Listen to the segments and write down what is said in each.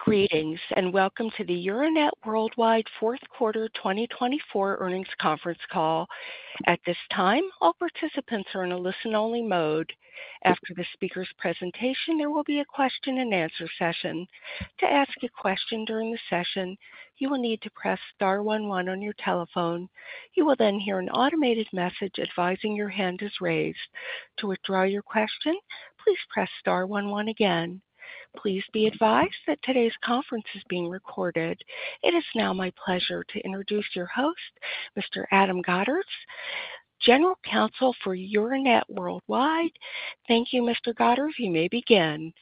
Greetings and welcome to the Euronet Worldwide Fourth Quarter 2024 Earnings Conference Call. At this time, all participants are in a listen-only mode. After the speaker's presentation, there will be a question-and-answer session. To ask a question during the session, you will need to press star one one on your telephone. You will then hear an automated message advising your hand is raised. To withdraw your question, please press star one one again. Please be advised that today's conference is being recorded. It is now my pleasure to introduce your host, Mr. Adam Godderz, General Counsel for Euronet Worldwide. Thank you, Mr. Godderz. You may begin.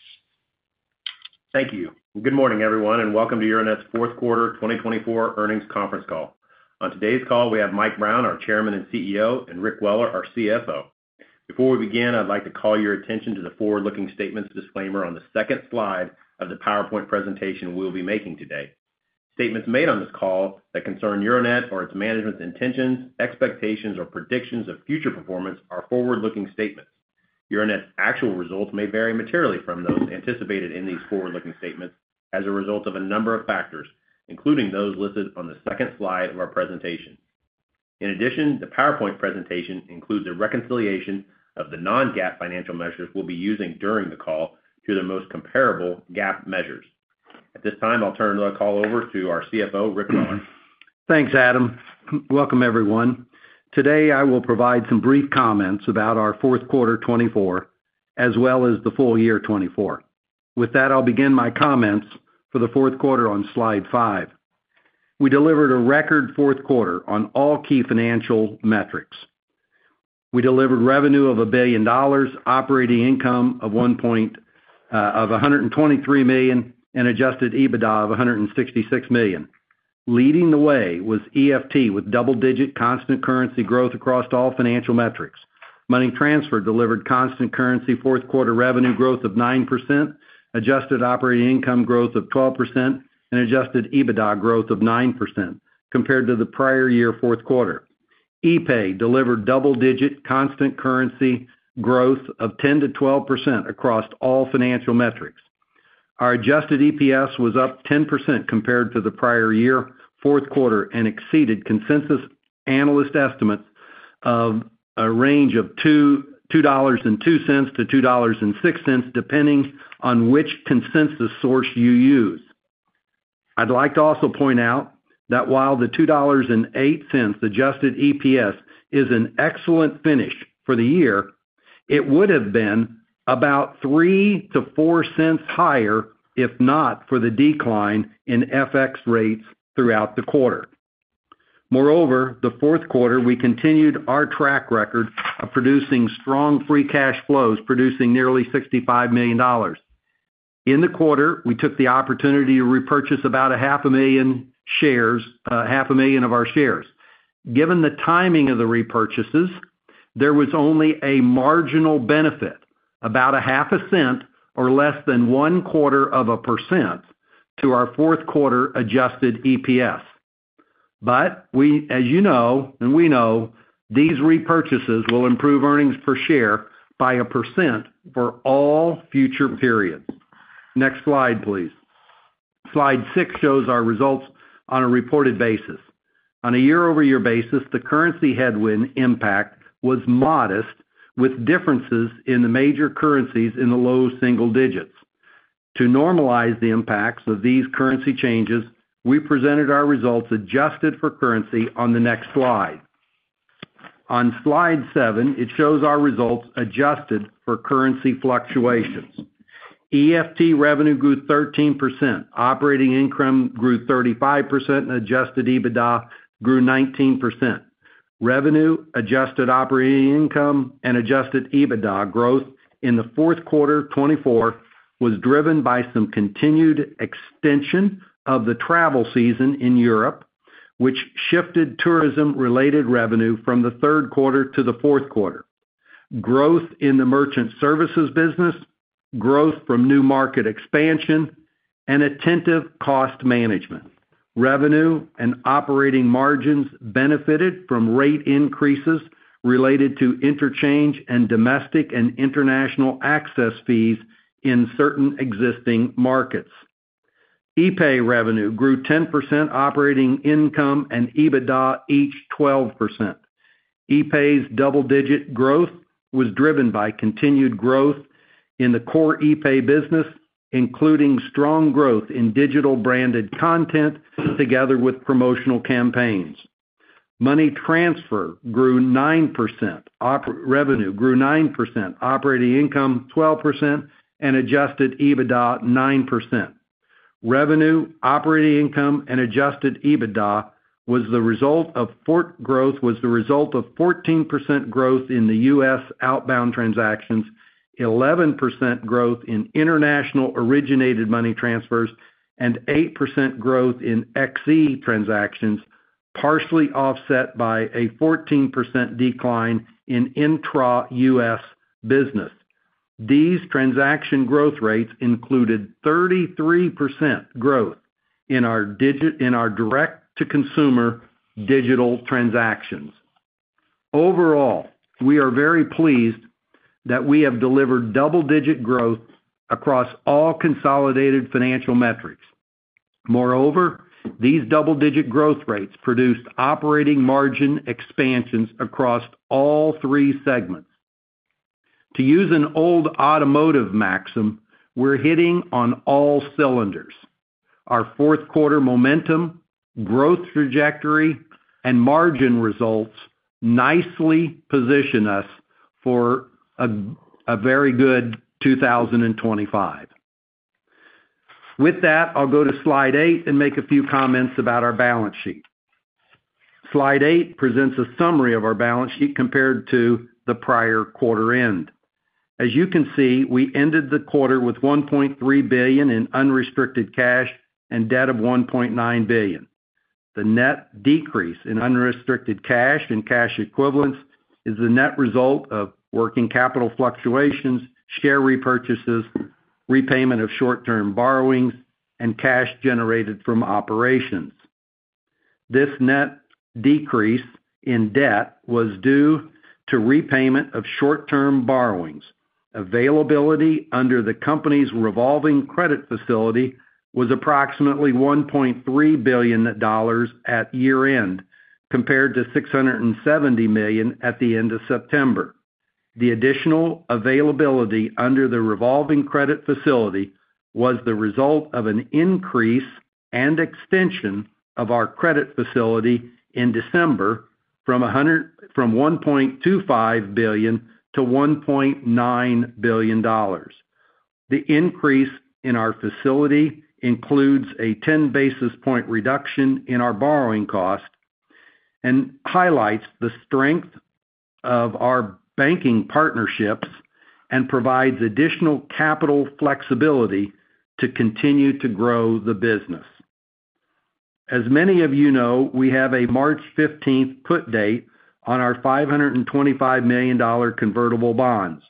Thank you. Good morning, everyone, and welcome to Euronet's Fourth Quarter 2024 Earnings Conference Call. On today's call, we have Mike Brown, our Chairman and CEO, and Rick Weller, our CFO. Before we begin, I'd like to call your attention to the forward-looking statements disclaimer on the second slide of the PowerPoint presentation we'll be making today. Statements made on this call that concern Euronet or its management's intentions, expectations, or predictions of future performance are forward-looking statements. Euronet's actual results may vary materially from those anticipated in these forward-looking statements as a result of a number of factors, including those listed on the second slide of our presentation. In addition, the PowerPoint presentation includes a reconciliation of the non-GAAP financial measures we'll be using during the call to the most comparable GAAP measures. At this time, I'll turn the call over to our CFO, Rick Weller. Thanks, Adam. Welcome, everyone. Today, I will provide some brief comments about our fourth quarter 2024, as well as the full year 2024. With that, I'll begin my comments for the fourth quarter on slide five. We delivered a record fourth quarter on all key financial metrics. We delivered revenue of $1 billion, operating income of $123 million, and adjusted EBITDA of $166 million. Leading the way was EFT with double-digit constant currency growth across all financial metrics. Money Transfer delivered constant currency fourth quarter revenue growth of 9%, adjusted operating income growth of 12%, and adjusted EBITDA growth of 9% compared to the prior year fourth quarter. Epay delivered double-digit constant currency growth of 10%-12% across all financial metrics. Our adjusted EPS was up 10% compared to the prior year fourth quarter and exceeded consensus analyst estimates of a range of $2.02-$2.06, depending on which consensus source you use. I'd like to also point out that while the $2.08 adjusted EPS is an excellent finish for the year, it would have been about $0.03-$0.04 higher if not for the decline in FX rates throughout the quarter. Moreover, the fourth quarter, we continued our track record of producing strong free cash flows, producing nearly $65 million. In the quarter, we took the opportunity to repurchase about 500,000 shares, 500,000 of our shares. Given the timing of the repurchases, there was only a marginal benefit, about $0.005 or less than 0.25%, to our fourth quarter adjusted EPS. But we, as you know and we know, these repurchases will improve earnings per share by 1% for all future periods. Next slide, please. Slide six shows our results on a reported basis. On a year-over-year basis, the currency headwind impact was modest, with differences in the major currencies in the low single digits. To normalize the impacts of these currency changes, we presented our results adjusted for currency on the next slide. On slide seven, it shows our results adjusted for currency fluctuations. EFT revenue grew 13%, operating income grew 35%, and adjusted EBITDA grew 19%. Revenue, adjusted operating income, and adjusted EBITDA growth in the fourth quarter 2024 was driven by some continued extension of the travel season in Europe, which shifted tourism-related revenue from the third quarter to the fourth quarter. Growth in the merchant services business, growth from new market expansion, and attentive cost management. Revenue and operating margins benefited from rate increases related to interchange and domestic and international access fees in certain existing markets. Epay revenue grew 10%, operating income and EBITDA each 12%. Epay's double-digit growth was driven by continued growth in the core epay business, including strong growth in digital branded content together with promotional campaigns. Money Transfer grew 9%, revenue grew 9%, operating income 12%, and adjusted EBITDA 9%. Revenue, operating income, and adjusted EBITDA was the result of 14% growth in the U.S. outbound transactions, 11% growth in international-originated money transfers, and 8% growth in XE transactions, partially offset by a 14% decline in intra-U.S. business. These transaction growth rates included 33% growth in our direct-to-consumer digital transactions. Overall, we are very pleased that we have delivered double-digit growth across all consolidated financial metrics. Moreover, these double-digit growth rates produced operating margin expansions across all three segments. To use an old automotive maxim, we're hitting on all cylinders. Our fourth quarter momentum, growth trajectory, and margin results nicely position us for a very good 2025. With that, I'll go to slide eight and make a few comments about our balance sheet. Slide eight presents a summary of our balance sheet compared to the prior quarter end. As you can see, we ended the quarter with $1.3 billion in unrestricted cash and debt of $1.9 billion. The net decrease in unrestricted cash and cash equivalents is the net result of working capital fluctuations, share repurchases, repayment of short-term borrowings, and cash generated from operations. This net decrease in debt was due to repayment of short-term borrowings. Availability under the company's revolving credit facility was approximately $1.3 billion at year-end compared to $670 million at the end of September. The additional availability under the revolving credit facility was the result of an increase and extension of our credit facility in December from $1.25 billion to $1.9 billion. The increase in our facility includes a 10 basis point reduction in our borrowing cost and highlights the strength of our banking partnerships and provides additional capital flexibility to continue to grow the business. As many of you know, we have a March 15th put date on our $525 million convertible bonds.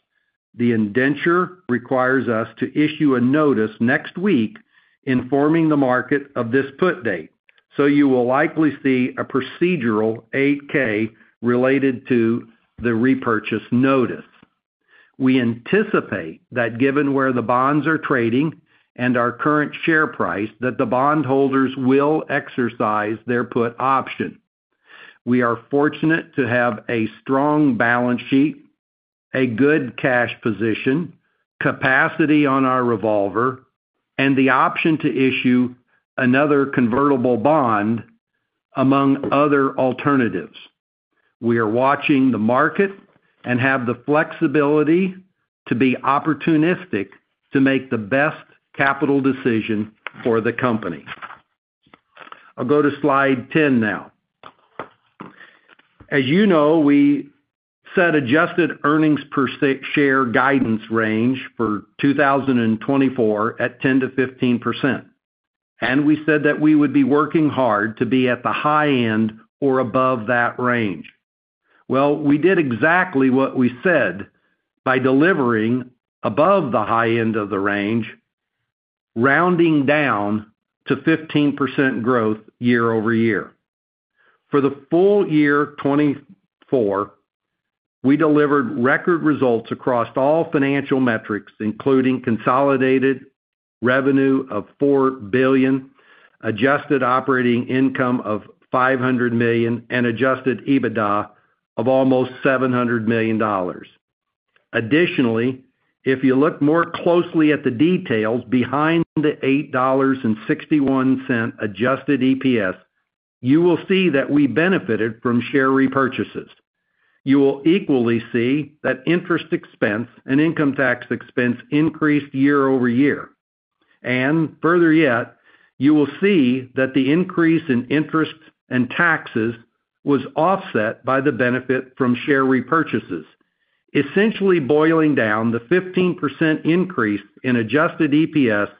The indenture requires us to issue a notice next week informing the market of this put date, so you will likely see a procedural 8-K related to the repurchase notice. We anticipate that given where the bonds are trading and our current share price, that the bondholders will exercise their put option. We are fortunate to have a strong balance sheet, a good cash position, capacity on our revolver, and the option to issue another convertible bond among other alternatives. We are watching the market and have the flexibility to be opportunistic to make the best capital decision for the company. I'll go to slide 10 now. As you know, we set adjusted earnings per share guidance range for 2024 at 10%-15%, and we said that we would be working hard to be at the high end or above that range. We did exactly what we said by delivering above the high end of the range, rounding down to 15% growth year-over-year. For the full year 2024, we delivered record results across all financial metrics, including consolidated revenue of $4 billion, adjusted operating income of $500 million, and adjusted EBITDA of almost $700 million. Additionally, if you look more closely at the details behind the $8.61 adjusted EPS, you will see that we benefited from share repurchases. You will equally see that interest expense and income tax expense increased year-over-year. And further yet, you will see that the increase in interest and taxes was offset by the benefit from share repurchases, essentially boiling down the 15% increase in adjusted EPS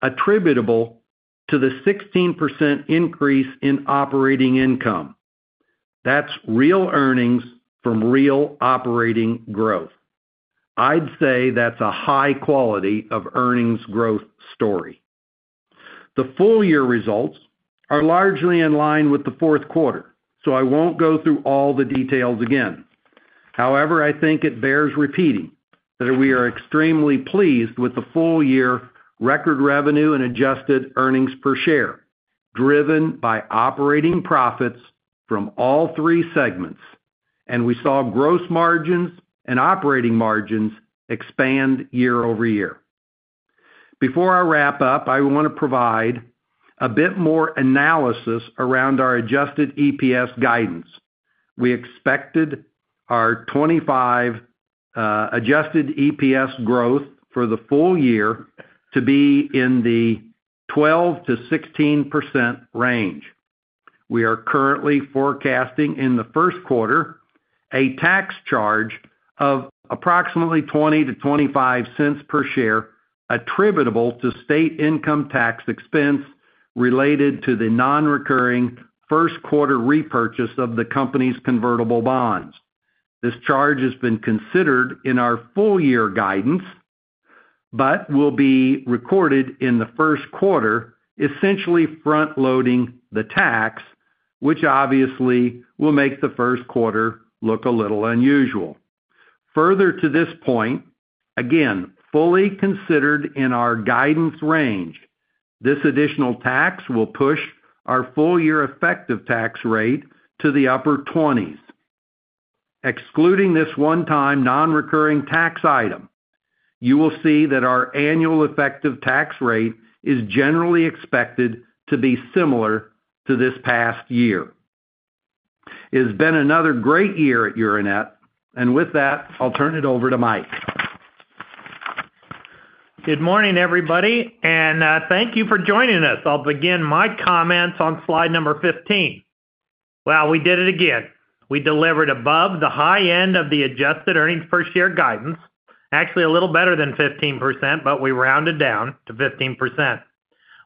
attributable to the 16% increase in operating income. That's real earnings from real operating growth. I'd say that's a high quality of earnings growth story. The full year results are largely in line with the fourth quarter, so I won't go through all the details again. However, I think it bears repeating that we are extremely pleased with the full year record revenue and adjusted earnings per share driven by operating profits from all three segments, and we saw gross margins and operating margins expand year-over-year. Before I wrap up, I want to provide a bit more analysis around our adjusted EPS guidance. We expected our 25% adjusted EPS growth for the full year to be in the 12%-16% range. We are currently forecasting in the first quarter a tax charge of approximately $0.20-$0.25 per share attributable to state income tax expense related to the non-recurring first quarter repurchase of the company's convertible bonds. This charge has been considered in our full year guidance but will be recorded in the first quarter, essentially front-loading the tax, which obviously will make the first quarter look a little unusual. Further to this point, again, fully considered in our guidance range, this additional tax will push our full year effective tax rate to the upper 20s. Excluding this one-time non-recurring tax item, you will see that our annual effective tax rate is generally expected to be similar to this past year. It's been another great year at Euronet, and with that, I'll turn it over to Mike. Good morning, everybody, and thank you for joining us. I'll begin my comments on slide number 15. We did it again. We delivered above the high end of the adjusted earnings per share guidance, actually a little better than 15%, but we rounded down to 15%.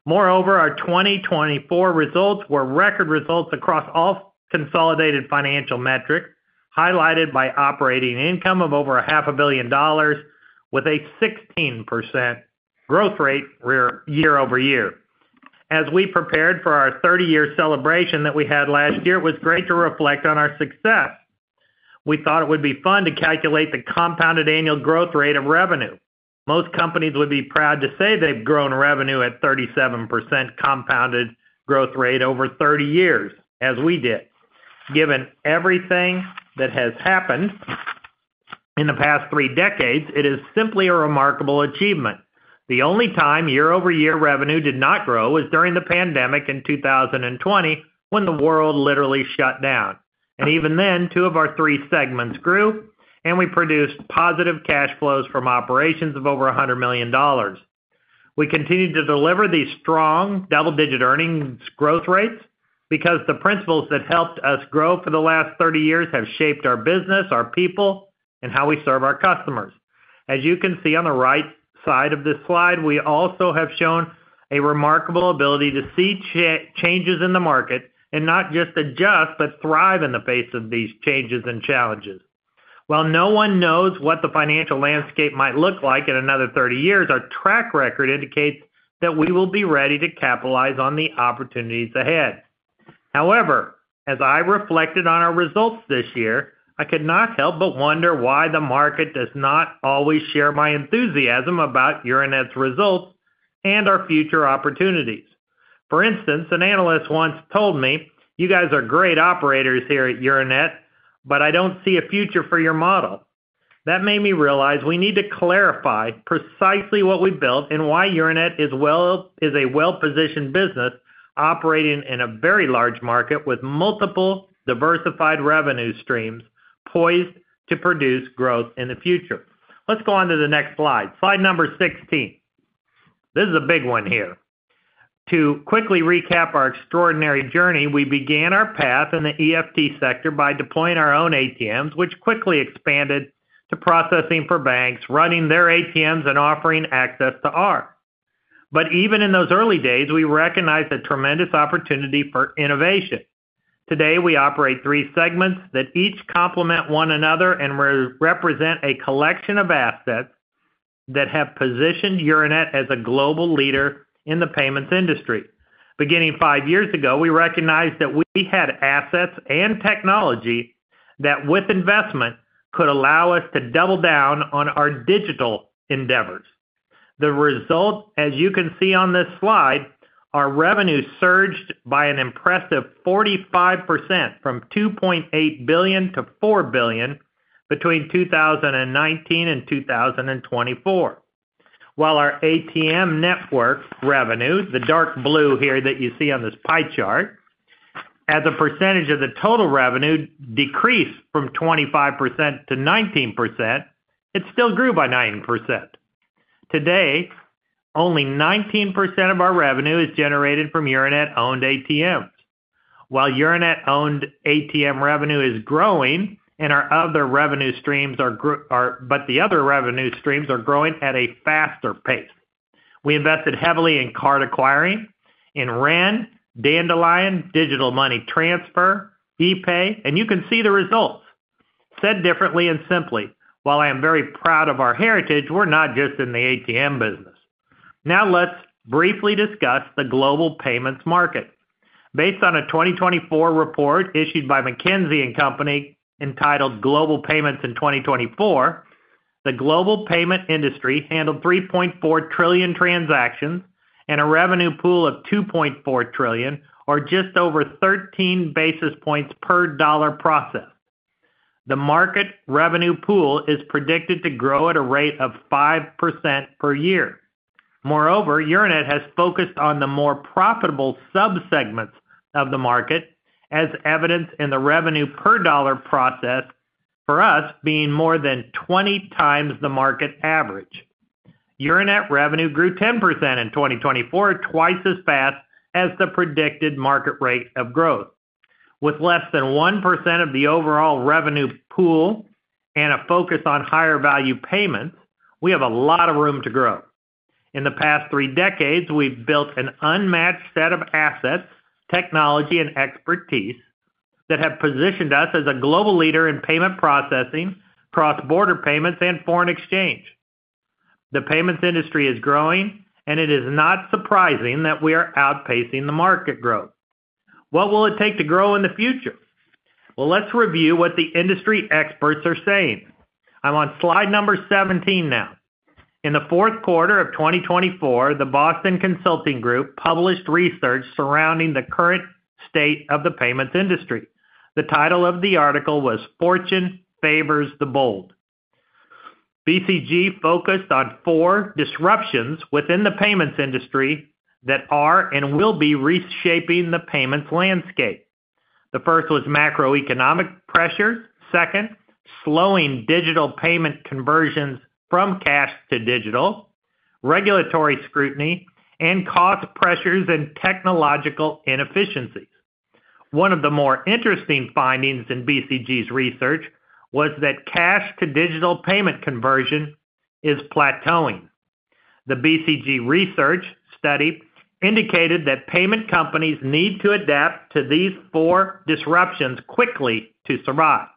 Moreover, our 2024 results were record results across all consolidated financial metrics, highlighted by operating income of over $500 million with a 16% growth rate year-over-year. As we prepared for our 30-year celebration that we had last year, it was great to reflect on our success. We thought it would be fun to calculate the compounded annual growth rate of revenue. Most companies would be proud to say they've grown revenue at 37% compounded growth rate over 30 years, as we did. Given everything that has happened in the past three decades, it is simply a remarkable achievement. The only time year-over-year revenue did not grow was during the pandemic in 2020 when the world literally shut down. And even then, two of our three segments grew, and we produced positive cash flows from operations of over $100 million. We continue to deliver these strong double-digit earnings growth rates because the principles that helped us grow for the last 30 years have shaped our business, our people, and how we serve our customers. As you can see on the right side of this slide, we also have shown a remarkable ability to see changes in the market and not just adjust but thrive in the face of these changes and challenges. While no one knows what the financial landscape might look like in another 30 years, our track record indicates that we will be ready to capitalize on the opportunities ahead. However, as I reflected on our results this year, I could not help but wonder why the market does not always share my enthusiasm about Euronet's results and our future opportunities. For instance, an analyst once told me, "You guys are great operators here at Euronet, but I don't see a future for your model." That made me realize we need to clarify precisely what we built and why Euronet is a well-positioned business operating in a very large market with multiple diversified revenue streams poised to produce growth in the future. Let's go on to the next slide. Slide number 16. This is a big one here. To quickly recap our extraordinary journey, we began our path in the EFT sector by deploying our own ATMs, which quickly expanded to processing for banks, running their ATMs and offering access to ours. But even in those early days, we recognized a tremendous opportunity for innovation. Today, we operate three segments that each complement one another and represent a collection of assets that have positioned Euronet as a global leader in the payments industry. Beginning five years ago, we recognized that we had assets and technology that, with investment, could allow us to double down on our digital endeavors. The result, as you can see on this slide, our revenue surged by an impressive 45% from $2.8 billion to $4 billion between 2019 and 2024. While our ATM network revenue, the dark blue here that you see on this pie chart, as a percentage of the total revenue decreased from 25% to 19%, it still grew by 9%. Today, only 19% of our revenue is generated from Euronet-owned ATMs. While Euronet-owned ATM revenue is growing and our other revenue streams are growing, but the other revenue streams are growing at a faster pace. We invested heavily in card acquiring, in Ren, Dandelion, digital money transfer, epay, and you can see the results. Said differently and simply, while I am very proud of our heritage, we're not just in the ATM business. Now let's briefly discuss the global payments market. Based on a 2024 report issued by McKinsey & Company entitled Global Payments in 2024, the global payment industry handled 3.4 trillion transactions and a revenue pool of $2.4 trillion, or just over 13 basis points per dollar processed. The market revenue pool is predicted to grow at a rate of 5% per year. Moreover, Euronet has focused on the more profitable subsegments of the market, as evidenced in the revenue per dollar processed for us being more than 20x the market average. Euronet revenue grew 10% in 2024, twice as fast as the predicted market rate of growth. With less than 1% of the overall revenue pool and a focus on higher value payments, we have a lot of room to grow. In the past three decades, we've built an unmatched set of assets, technology, and expertise that have positioned us as a global leader in payment processing, cross-border payments, and foreign exchange. The payments industry is growing, and it is not surprising that we are outpacing the market growth. What will it take to grow in the future? Let's review what the industry experts are saying. I'm on slide number 17 now. In the fourth quarter of 2024, the Boston Consulting Group published research surrounding the current state of the payments industry. The title of the article was Fortune Favors the Bold. BCG focused on four disruptions within the payments industry that are and will be reshaping the payments landscape. The first was macroeconomic pressures. Second, slowing digital payment conversions from cash to digital, regulatory scrutiny, and cost pressures and technological inefficiencies. One of the more interesting findings in BCG's research was that cash-to-digital payment conversion is plateauing. The BCG research study indicated that payment companies need to adapt to these four disruptions quickly to survive.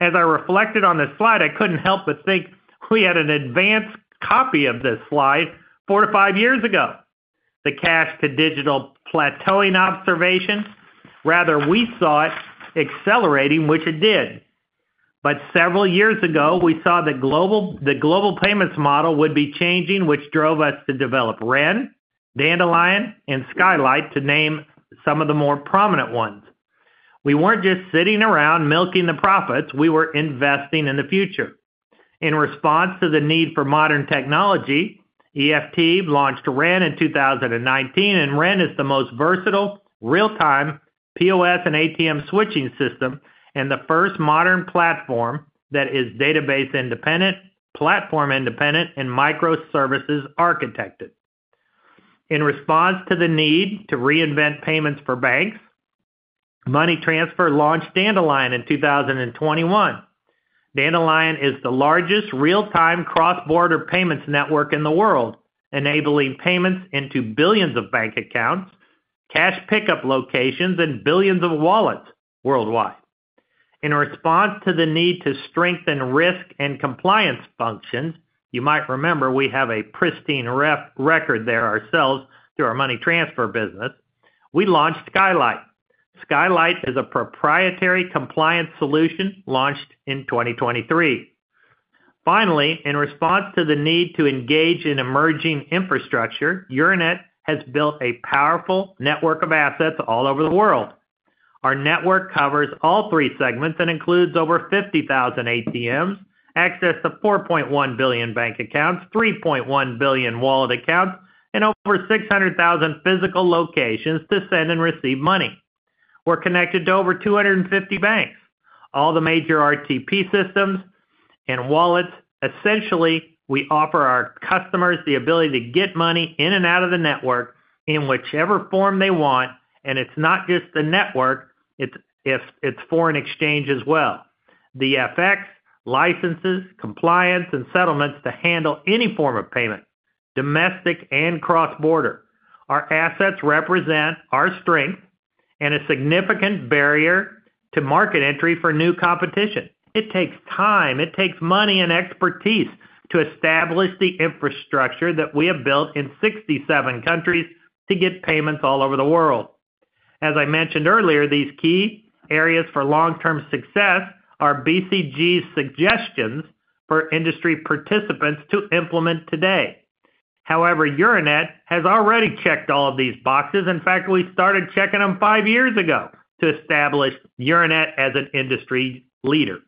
As I reflected on this slide, I couldn't help but think we had an advanced copy of this slide four to five years ago. The cash-to-digital plateauing observation, rather, we saw it accelerating, which it did. But several years ago, we saw the global payments model would be changing, which drove us to develop Ren, Dandelion, and Skylight to name some of the more prominent ones. We weren't just sitting around milking the profits; we were investing in the future. In response to the need for modern technology, EFT launched Ren in 2019, and Ren is the most versatile, real-time POS and ATM switching system and the first modern platform that is database independent, platform independent, and microservices architected. In response to the need to reinvent payments for banks, Money Transfer launched Dandelion in 2021. Dandelion is the largest real-time cross-border payments network in the world, enabling payments into billions of bank accounts, cash pickup locations, and billions of wallets worldwide. In response to the need to strengthen risk and compliance functions, you might remember we have a pristine record there ourselves through our money transfer business. We launched Skylight. Skylight is a proprietary compliance solution launched in 2023. Finally, in response to the need to engage in emerging infrastructure, Euronet has built a powerful network of assets all over the world. Our network covers all three segments and includes over 50,000 ATMs, access to 4.1 billion bank accounts, 3.1 billion wallet accounts, and over 600,000 physical locations to send and receive money. We're connected to over 250 banks, all the major RTP systems and wallets. Essentially, we offer our customers the ability to get money in and out of the network in whichever form they want, and it's not just the network, it's foreign exchange as well. The FX licenses, compliance, and settlements to handle any form of payment, domestic and cross-border. Our assets represent our strength and a significant barrier to market entry for new competition. It takes time. It takes money and expertise to establish the infrastructure that we have built in 67 countries to get payments all over the world. As I mentioned earlier, these key areas for long-term success are BCG's suggestions for industry participants to implement today. However, Euronet has already checked all of these boxes. In fact, we started checking them five years ago to establish Euronet as an industry leader.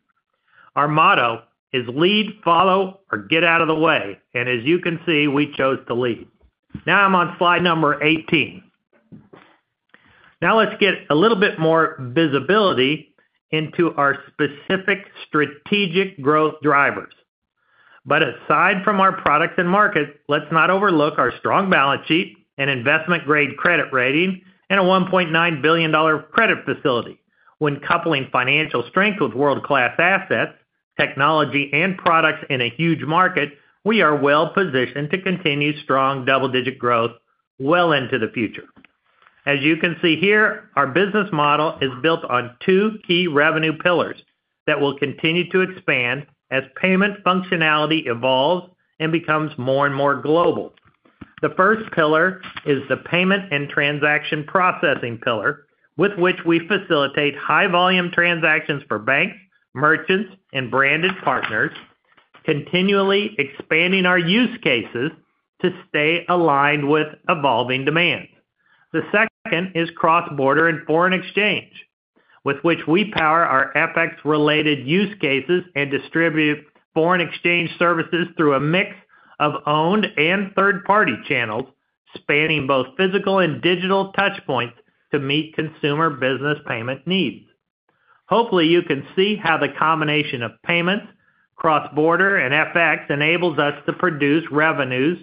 Our motto is "Lead, Follow, or Get Out of the Way," and as you can see, we chose to lead. Now I'm on slide number 18. Now let's get a little bit more visibility into our specific strategic growth drivers. But aside from our products and markets, let's not overlook our strong balance sheet and investment-grade credit rating and a $1.9 billion credit facility. When coupling financial strength with world-class assets, technology, and products in a huge market, we are well-positioned to continue strong double-digit growth well into the future. As you can see here, our business model is built on two key revenue pillars that will continue to expand as payment functionality evolves and becomes more and more global. The first pillar is the payment and transaction processing pillar, with which we facilitate high-volume transactions for banks, merchants, and branded partners, continually expanding our use cases to stay aligned with evolving demands. The second is cross-border and foreign exchange, with which we power our FX-related use cases and distribute foreign exchange services through a mix of owned and third-party channels, spanning both physical and digital touchpoints to meet consumer business payment needs. Hopefully, you can see how the combination of payments, cross-border, and FX enables us to produce revenues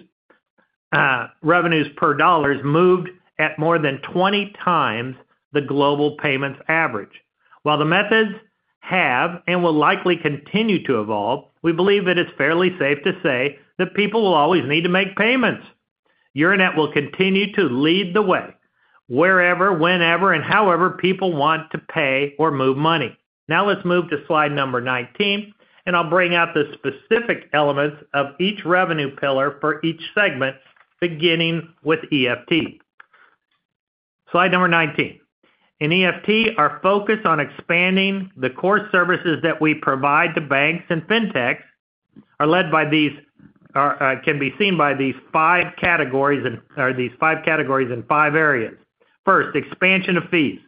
per dollars moved at more than 20x the global payments average. While the methods have and will likely continue to evolve, we believe that it's fairly safe to say that people will always need to make payments. Euronet will continue to lead the way, wherever, whenever, and however people want to pay or move money. Now let's move to slide number 19, and I'll bring out the specific elements of each revenue pillar for each segment, beginning with EFT. Slide number 19. In EFT, our focus on expanding the core services that we provide to banks and fintechs can be seen by these five categories and five areas. First, expansion of fees,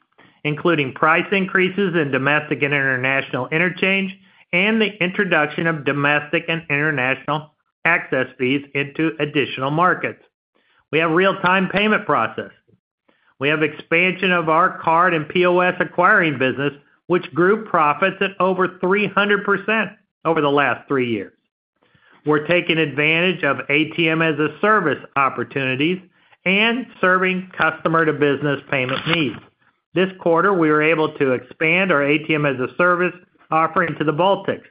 including price increases in domestic and international interchange and the introduction of domestic and international access fees into additional markets. We have real-time payment processing. We have expansion of our card and POS acquiring business, which grew profits at over 300% over the last three years. We're taking advantage of ATM-as-a-Service opportunities and serving customer-to-business payment needs. This quarter, we were able to expand our ATM-as-a-Service offering to the Baltics.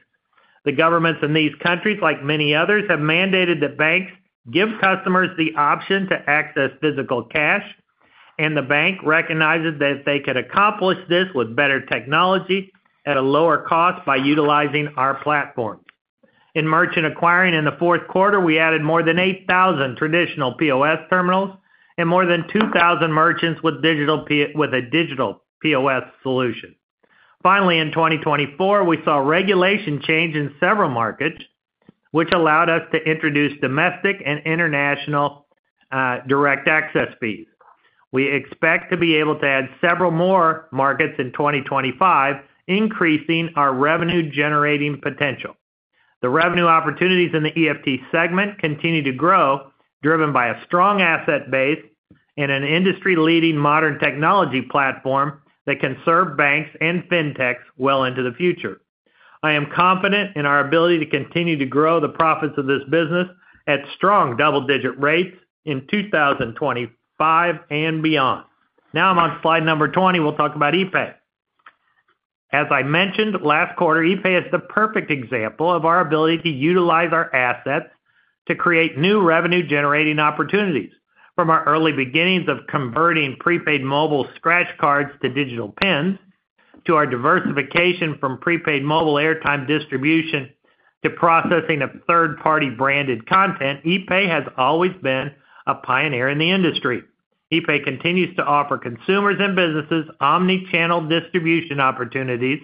The governments in these countries, like many others, have mandated that banks give customers the option to access physical cash, and the bank recognizes that they could accomplish this with better technology at a lower cost by utilizing our platforms. In merchant acquiring, in the fourth quarter, we added more than 8,000 traditional POS terminals and more than 2,000 merchants with a digital POS solution. Finally, in 2024, we saw regulation change in several markets, which allowed us to introduce domestic and international direct access fees. We expect to be able to add several more markets in 2025, increasing our revenue-generating potential. The revenue opportunities in the EFT segment continue to grow, driven by a strong asset base and an industry-leading modern technology platform that can serve banks and fintechs well into the future. I am confident in our ability to continue to grow the profits of this business at strong double-digit rates in 2025 and beyond. Now I'm on slide number 20. We'll talk about epay. As I mentioned, last quarter, epay is the perfect example of our ability to utilize our assets to create new revenue-generating opportunities. From our early beginnings of converting prepaid mobile scratch cards to digital pins, to our diversification from prepaid mobile airtime distribution to processing of third-party branded content, epay has always been a pioneer in the industry. epay continues to offer consumers and businesses omnichannel distribution opportunities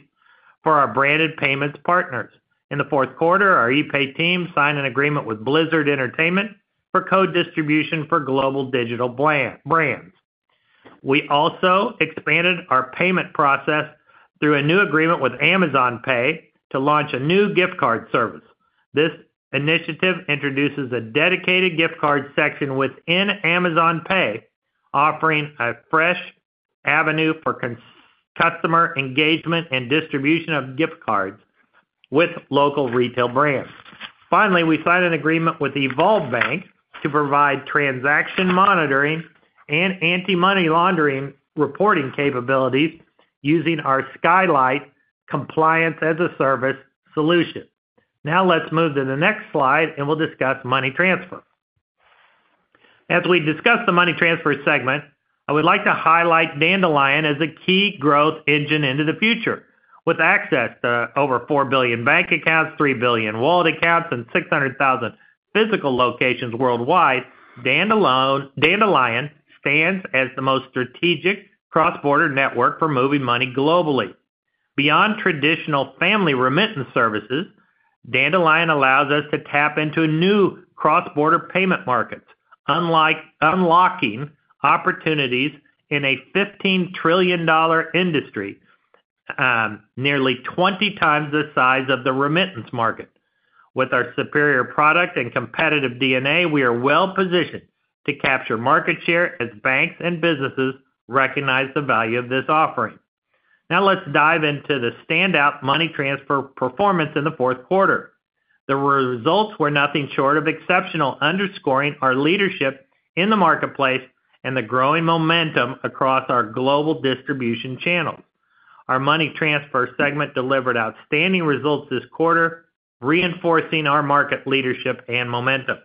for our branded payments partners. In the fourth quarter, our epay team signed an agreement with Blizzard Entertainment for co-distribution for global digital brands. We also expanded our payment process through a new agreement with Amazon Pay to launch a new gift card service. This initiative introduces a dedicated gift card section within Amazon Pay, offering a fresh avenue for customer engagement and distribution of gift cards with local retail brands. Finally, we signed an agreement with Evolve Bank to provide transaction monitoring and anti-money laundering reporting capabilities using our Skylight compliance-as-a-service solution. Now let's move to the next slide, and we'll discuss money transfer. As we discuss the money transfer segment, I would like to highlight Dandelion as a key growth engine into the future. With access to over 4 billion bank accounts, 3 billion wallet accounts, and 600,000 physical locations worldwide, Dandelion stands as the most strategic cross-border network for moving money globally. Beyond traditional family remittance services, Dandelion allows us to tap into new cross-border payment markets, unlocking opportunities in a $15 trillion industry, nearly 20x the size of the remittance market. With our superior product and competitive DNA, we are well-positioned to capture market share as banks and businesses recognize the value of this offering. Now let's dive into the standout money transfer performance in the fourth quarter. The results were nothing short of exceptional, underscoring our leadership in the marketplace and the growing momentum across our global distribution channels. Our money transfer segment delivered outstanding results this quarter, reinforcing our market leadership and momentum.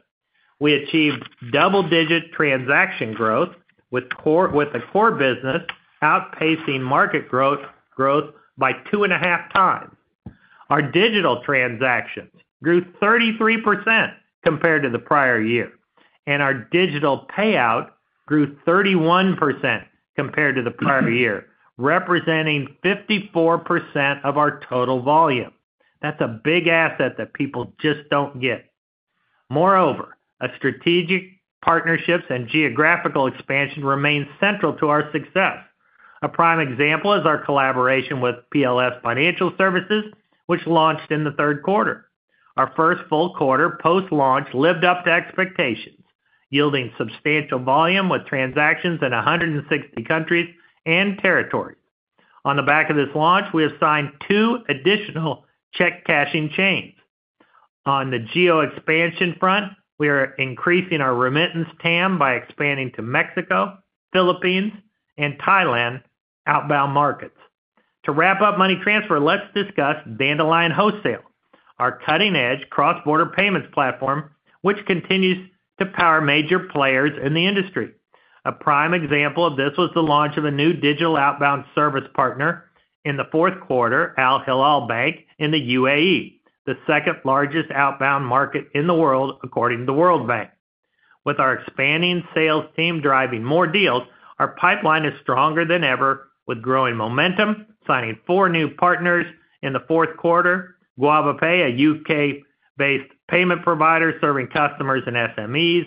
We achieved double-digit transaction growth, with the core business outpacing market growth by two and a half times. Our digital transactions grew 33% compared to the prior year, and our digital payout grew 31% compared to the prior year, representing 54% of our total volume. That's a big asset that people just don't get. Moreover, our strategic partnerships and geographical expansion remain central to our success. A prime example is our collaboration with PLS Financial Services, which launched in the third quarter. Our first full quarter post-launch lived up to expectations, yielding substantial volume with transactions in 160 countries and territories. On the back of this launch, we have signed two additional check cashing chains. On the geo-expansion front, we are increasing our remittance TAM by expanding to Mexico, Philippines, and Thailand outbound markets. To wrap up money transfer, let's discuss Dandelion Wholesale, our cutting-edge cross-border payments platform, which continues to power major players in the industry. A prime example of this was the launch of a new digital outbound service partner in the fourth quarter, Al Hilal Bank in the UAE, the second largest outbound market in the world, according to the World Bank. With our expanding sales team driving more deals, our pipeline is stronger than ever, with growing momentum, signing four new partners in the fourth quarter: Guavapay, a U.K.-based payment provider serving customers and SMEs;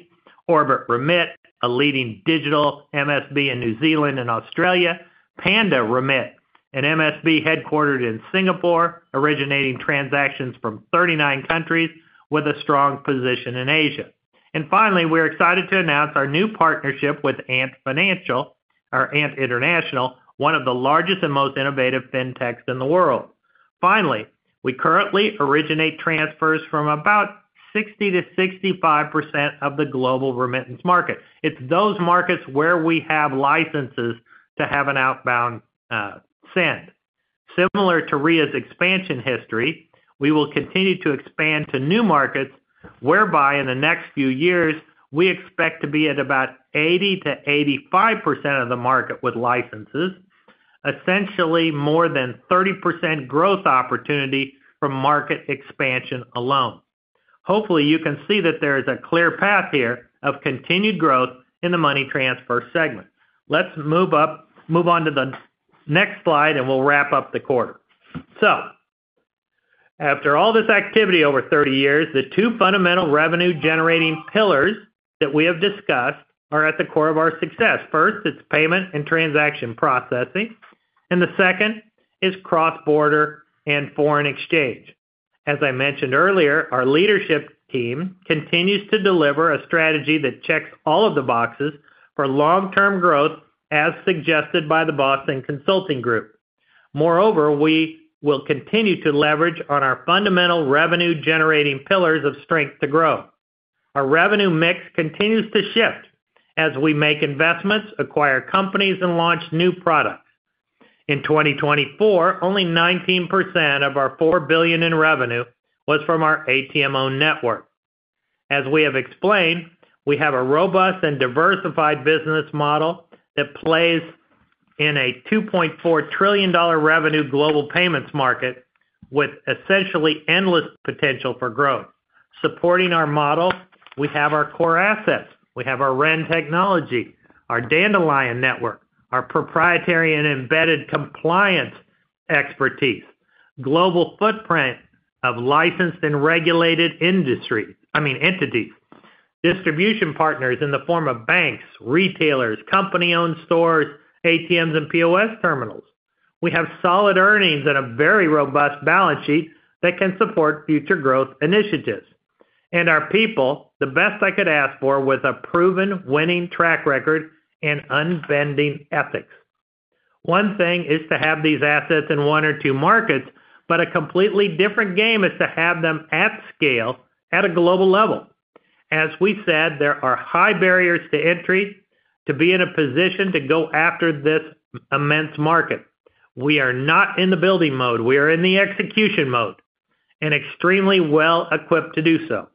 OrbitRemit, a leading digital MSB in New Zealand and Australia; Panda Remit, an MSB headquartered in Singapore, originating transactions from 39 countries with a strong position in Asia, and finally, we're excited to announce our new partnership with Ant International, one of the largest and most innovative fintechs in the world. Finally, we currently originate transfers from about 60%-65% of the global remittance market. It's those markets where we have licenses to have an outbound send. Similar to Ria's expansion history, we will continue to expand to new markets, whereby in the next few years, we expect to be at about 80%-85% of the market with licenses, essentially more than 30% growth opportunity from market expansion alone. Hopefully, you can see that there is a clear path here of continued growth in the money transfer segment. Let's move on to the next slide, and we'll wrap up the quarter. So after all this activity over 30 years, the two fundamental revenue-generating pillars that we have discussed are at the core of our success. First, it's payment and transaction processing, and the second is cross-border and foreign exchange. As I mentioned earlier, our leadership team continues to deliver a strategy that checks all of the boxes for long-term growth, as suggested by the Boston Consulting Group. Moreover, we will continue to leverage on our fundamental revenue-generating pillars of strength to grow. Our revenue mix continues to shift as we make investments, acquire companies, and launch new products. In 2024, only 19% of our $4 billion in revenue was from our ATM-owned network. As we have explained, we have a robust and diversified business model that plays in a $2.4 trillion revenue global payments market with essentially endless potential for growth. Supporting our model, we have our core assets. We have our Ren technology, our Dandelion network, our proprietary and embedded compliance expertise, global footprint of licensed and regulated entities, distribution partners in the form of banks, retailers, company-owned stores, ATMs, and POS terminals. We have solid earnings and a very robust balance sheet that can support future growth initiatives. Our people, the best I could ask for, with a proven, winning track record and unbending ethics. One thing is to have these assets in one or two markets, but a completely different game is to have them at scale at a global level. As we said, there are high barriers to entry to be in a position to go after this immense market. We are not in the building mode. We are in the execution mode and extremely well-equipped to do so.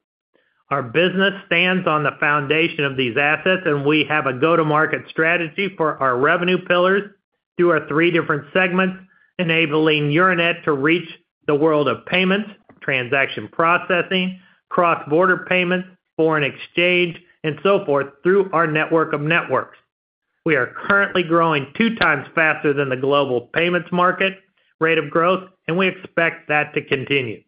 Our business stands on the foundation of these assets, and we have a go-to-market strategy for our revenue pillars through our three different segments, enabling Euronet to reach the world of payments, transaction processing, cross-border payments, foreign exchange, and so forth through our network of networks. We are currently growing two times faster than the global payments market rate of growth, and we expect that to continue.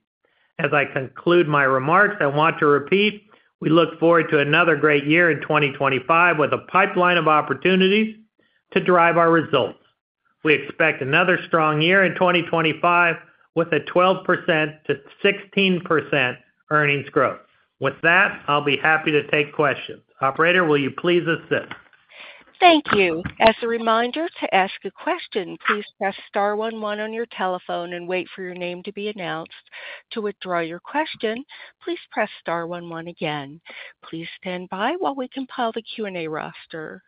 As I conclude my remarks, I want to repeat, we look forward to another great year in 2025 with a pipeline of opportunities to drive our results. We expect another strong year in 2025 with a 12%-16% earnings growth. With that, I'll be happy to take questions. Operator, will you please assist? Thank you. As a reminder, to ask a question, please press star one one on your telephone and wait for your name to be announced. To withdraw your question, please press star one one again. Please stand by while we compile the Q&A roster.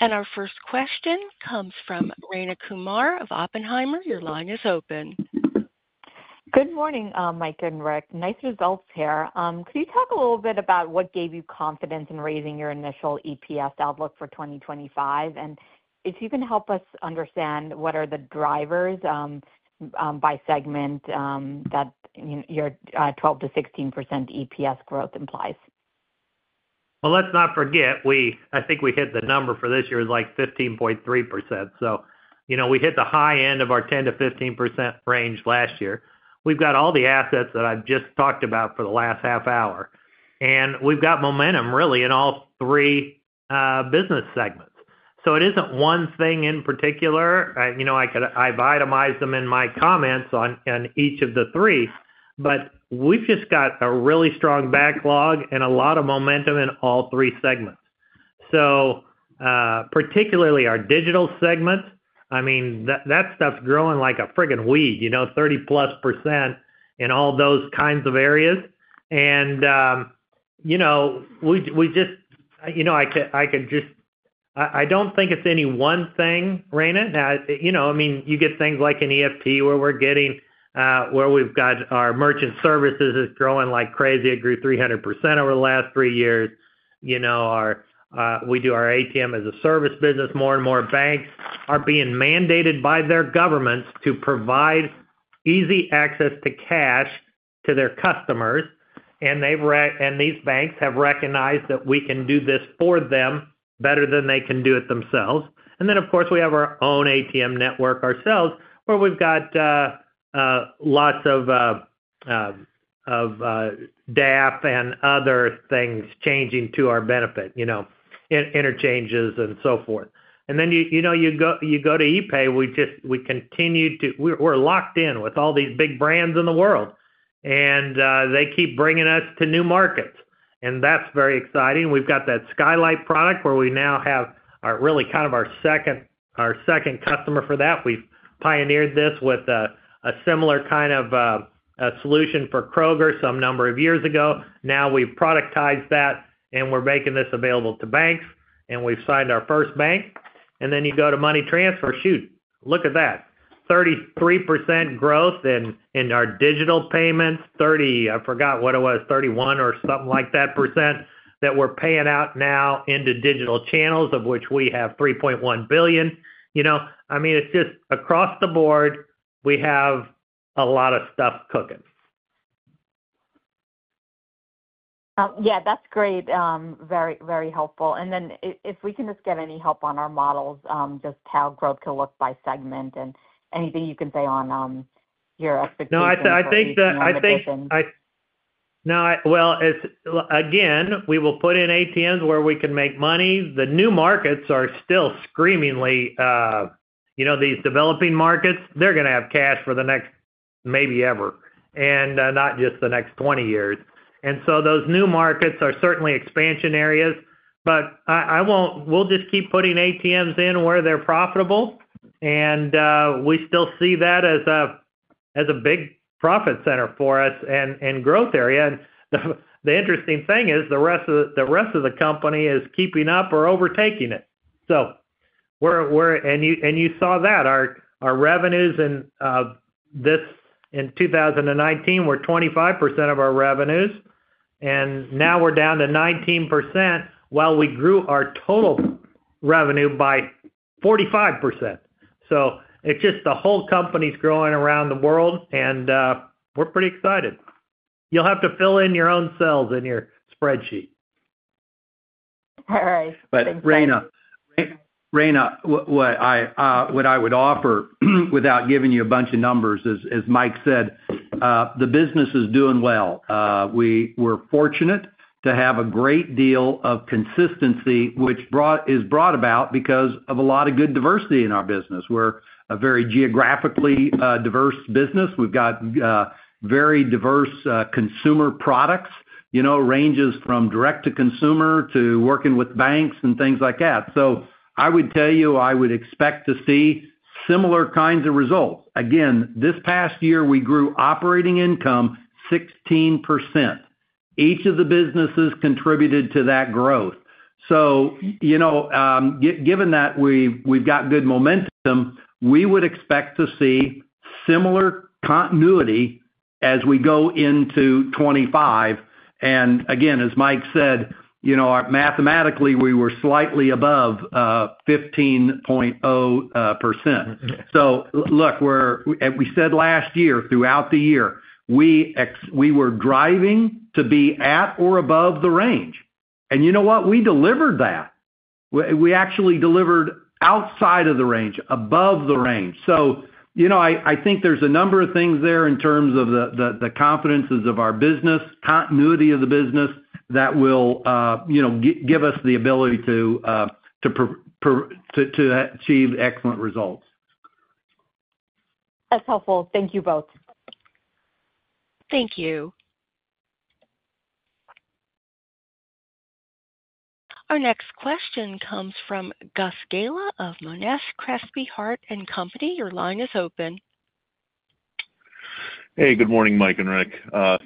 And our first question comes from Rayna Kumar of Oppenheimer. Your line is open. Good morning, Mike and Rick. Nice results here. Could you talk a little bit about what gave you confidence in raising your initial EPS outlook for 2025? And if you can help us understand what are the drivers by segment that your 12%-16% EPS growth implies? Well, let's not forget, I think we hit the number for this year is like 15.3%. So we hit the high end of our 10%-15% range last year. We've got all the assets that I've just talked about for the last half hour. And we've got momentum, really, in all three business segments. So it isn't one thing in particular. I've itemized them in my comments on each of the three, but we've just got a really strong backlog and a lot of momentum in all three segments. Particularly our digital segments, I mean, that stuff's growing like a friggin' weed, 30%+ in all those kinds of areas. We just, I could just, I don't think it's any one thing, Rayna. I mean, you get things like an EFT where we're getting, where we've got our merchant services is growing like crazy. It grew 300% over the last three years. We do our ATM-as-a-Service business. More and more banks are being mandated by their governments to provide easy access to cash to their customers. These banks have recognized that we can do this for them better than they can do it themselves. Then, of course, we have our own ATM network ourselves where we've got lots of DAF and other things changing to our benefit, interchanges, and so forth. And then you go to epay. We continue to, we're locked in with all these big brands in the world, and they keep bringing us to new markets. And that's very exciting. We've got that Skylight product where we now have really kind of our second customer for that. We've pioneered this with a similar kind of solution for Kroger some number of years ago. Now we've productized that, and we're making this available to banks, and we've signed our first bank. And then you go to money transfer. Shoot, look at that, 33% growth in our digital payments, 30, I forgot what it was, 31% or something like that that we're paying out now into digital channels, of which we have 3.1 billion. I mean, it's just across the board, we have a lot of stuff cooking. Yeah, that's great. Very, very helpful. Then if we can just get any help on our models, just how growth can look by segment and anything you can say on your expectations. No, well, again, we will put in ATMs where we can make money. The new markets are still screamingly—these developing markets. They're going to have cash for the next maybe ever, and not just the next 20 years. Those new markets are certainly expansion areas, but we'll just keep putting ATMs in where they're profitable. We still see that as a big profit center for us and growth area. The interesting thing is the rest of the company is keeping up or overtaking it, so we're, and you saw that. Our revenues in 2019 were 25% of our revenues, and now we're down to 19% while we grew our total revenue by 45%. So it's just the whole company's growing around the world, and we're pretty excited. You'll have to fill in your own cells in your spreadsheet. All right. But Rayna, what I would offer without giving you a bunch of numbers is, as Mike said, the business is doing well. We're fortunate to have a great deal of consistency, which is brought about because of a lot of good diversity in our business. We're a very geographically diverse business. We've got very diverse consumer products, ranges from direct-to-consumer to working with banks and things like that. So I would tell you, I would expect to see similar kinds of results. Again, this past year, we grew operating income 16%. Each of the businesses contributed to that growth. So given that we've got good momentum, we would expect to see similar continuity as we go into 2025. And again, as Mike said, mathematically, we were slightly above 15.0%. So look, we said last year, throughout the year, we were driving to be at or above the range. And you know what? We delivered that. We actually delivered outside of the range, above the range. So I think there's a number of things there in terms of the confidences of our business, continuity of the business that will give us the ability to achieve excellent results. That's helpful. Thank you both. Thank you. Our next question comes from Gus Gala of Monness, Crespi, Hardt & Company. Your line is open. Hey, good morning, Mike and Rick.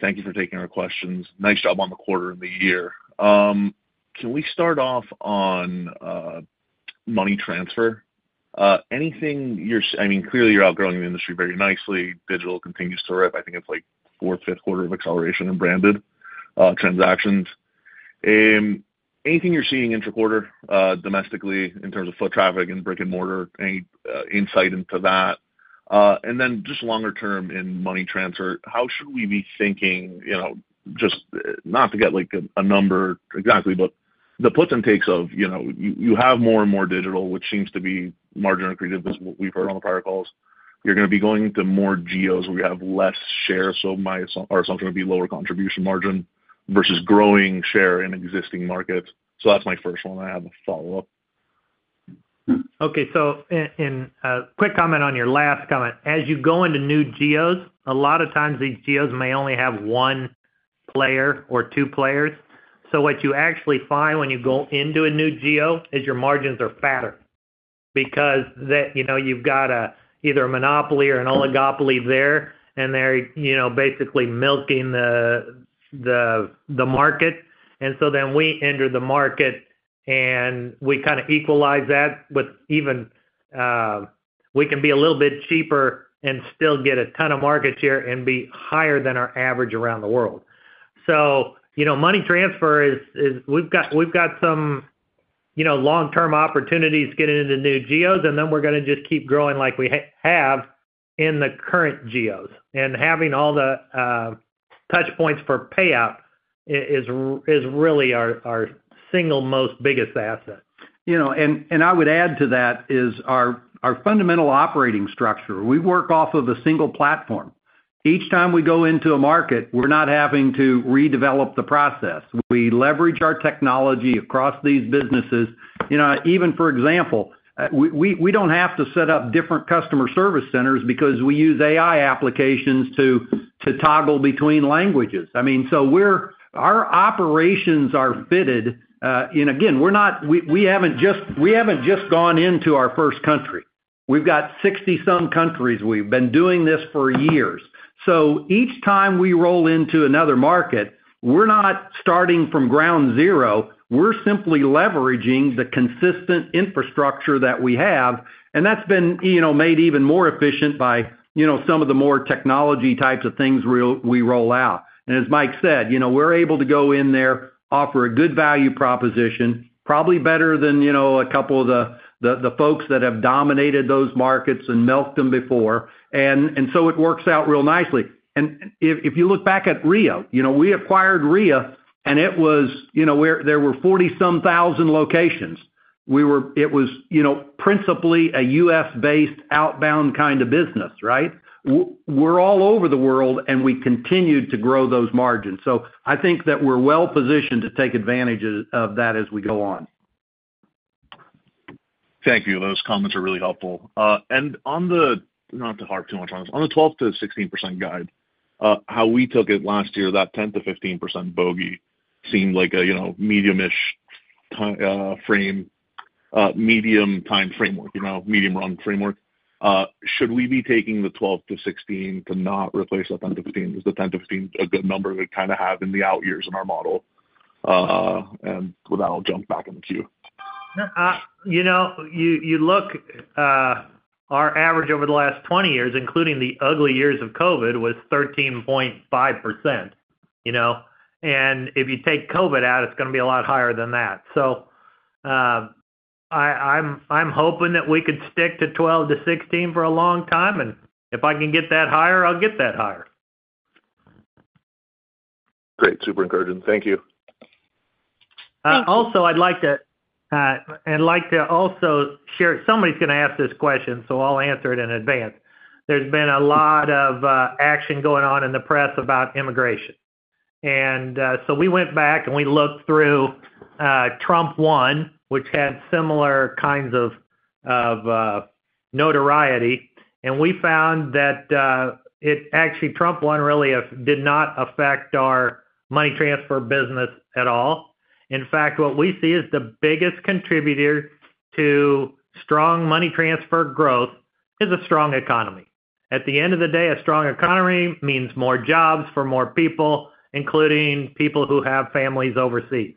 Thank you for taking our questions. Nice job on the quarter and the year. Can we start off on money transfer? Anything you're seeing? I mean, clearly, you're outgrowing the industry very nicely. Digital continues to rip. I think it's like fourth, fifth quarter of acceleration in branded transactions. Anything you're seeing interquarter domestically in terms of foot traffic and brick-and-mortar? Any insight into that? And then just longer term in money transfer, how should we be thinking? Just not to get a number exactly, but the puts and takes of you have more and more digital, which seems to be marginally accretive, as we've heard on the prior calls. You're going to be going to more GEOs where you have less share. So my assumption would be lower contribution margin versus growing share in existing markets. So that's my first one. I have a follow-up. Okay. So in a quick comment on your last comment, as you go into new GEOs, a lot of times these GEOs may only have one player or two players. So what you actually find when you go into a new GEO is your margins are fatter because you've got either a monopoly or an oligopoly there, and they're basically milking the market. And so then we enter the market, and we kind of equalize that with even we can be a little bit cheaper and still get a ton of market share and be higher than our average around the world. So money transfer is we've got some long-term opportunities getting into new GEOs, and then we're going to just keep growing like we have in the current GEOs. And having all the touchpoints for payout is really our single most biggest asset. And I would add to that is our fundamental operating structure. We work off of a single platform. Each time we go into a market, we're not having to redevelop the process. We leverage our technology across these businesses. Even, for example, we don't have to set up different customer service centers because we use AI applications to toggle between languages. I mean, so our operations are fitted. And again, we haven't just gone into our first country. We've got 60-some countries. We've been doing this for years. So each time we roll into another market, we're not starting from ground zero. We're simply leveraging the consistent infrastructure that we have. And that's been made even more efficient by some of the more technology types of things we roll out. As Mike said, we're able to go in there, offer a good value proposition, probably better than a couple of the folks that have dominated those markets and milked them before. So it works out real nicely. If you look back at Ria, we acquired Ria, and it was there were 40-some thousand locations. It was principally a U.S.-based outbound kind of business, right? We're all over the world, and we continued to grow those margins. So I think that we're well positioned to take advantage of that as we go on. Thank you. Those comments are really helpful. On the, not to harp too much on this, on the 12%-16% guide, how we took it last year, that 10%-15% bogey seemed like a medium-ish frame, medium-time framework, medium-run framework. Should we be taking the 12%-16% to not replace the 10%-15%? Is the 10%-15% a good number to kind of have in the out years in our model? And would that all jump back in the queue? You look, our average over the last 20 years, including the ugly years of COVID, was 13.5%. And if you take COVID out, it's going to be a lot higher than that. So I'm hoping that we could stick to 12%-16% for a long time. And if I can get that higher, I'll get that higher. Great. Super encouraging. Thank you. Also, I'd like to also share, somebody's going to ask this question, so I'll answer it in advance. There's been a lot of action going on in the press about immigration. And so we went back and we looked through Trump 1.0, which had similar kinds of notoriety. And we found that it actually, Trump 1.0 really did not affect our money transfer business at all. In fact, what we see is the biggest contributor to strong money transfer growth is a strong economy. At the end of the day, a strong economy means more jobs for more people, including people who have families overseas.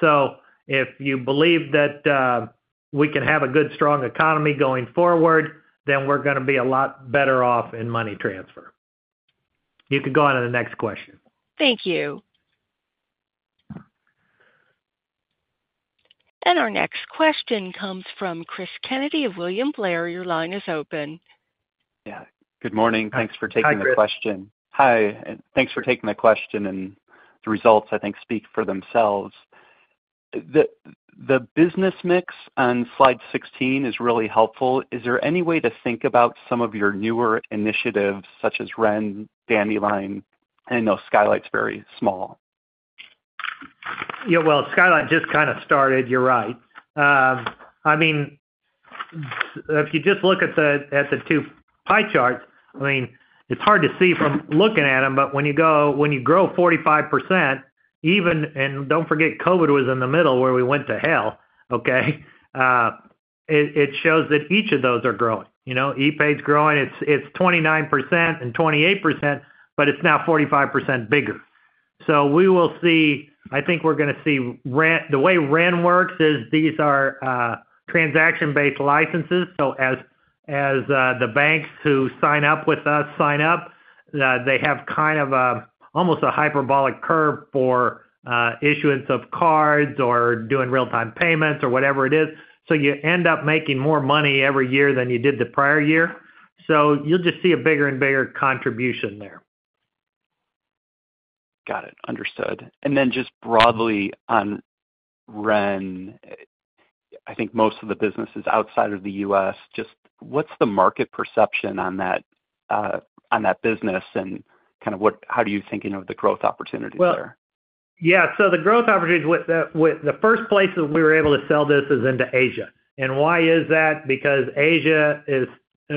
So if you believe that we can have a good, strong economy going forward, then we're going to be a lot better off in money transfer. You can go on to the next question. Thank you. And our next question comes from Chris Kennedy of William Blair. Your line is open. Yeah. Good morning. Thanks for taking the question. Hi. Thanks for taking the question. And the results, I think, speak for themselves. The business mix on slide 16 is really helpful. Is there any way to think about some of your newer initiatives, such as Ren, Dandelion, and I know Skylight's very small? Yeah. Well, Skylight just kind of started. You're right. I mean, if you just look at the two pie charts, I mean, it's hard to see from looking at them, but when you grow 45%, even and don't forget, COVID was in the middle where we went to hell, okay? It shows that each of those are growing. epay's growing. It's 29% and 28%, but it's now 45% bigger. So we will see, I think we're going to see the way Ren works is these are transaction-based licenses. So as the banks who sign up with us sign up, they have kind of almost a hyperbolic curve for issuance of cards or doing real-time payments or whatever it is. You end up making more money every year than you did the prior year. You'll just see a bigger and bigger contribution there. Got it. Understood. Just broadly on Ren, I think most of the business is outside of the U.S. Just what's the market perception on that business and kind of how do you think of the growth opportunities there? Yeah. The growth opportunities, the first place that we were able to sell this is into Asia. And why is that? Because Asia,